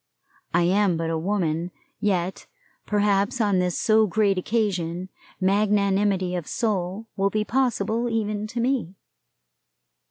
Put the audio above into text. I am but a woman, yet perhaps on this so great occasion magnanimity of soul will be possible even to me.